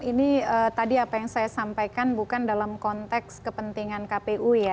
ini tadi apa yang saya sampaikan bukan dalam konteks kepentingan kpu ya